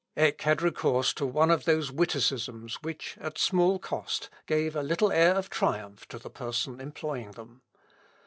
Eck had recourse to one of those witticisms which at small cost give a little air of triumph to the person employing them.